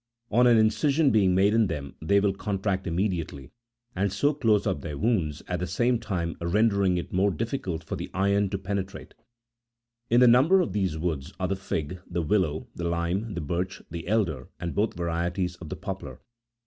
On an incision being made in them, they will contract immediately, and so close up their wounds, at the same time rendering it more difficult for the iron to pe netrate : in the number of these woods are the fig, the willow, the lime, the birch, the elder, and both varieties of the poplar.